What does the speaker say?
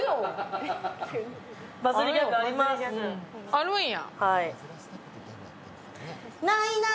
あるんや。